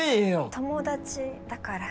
友達だから。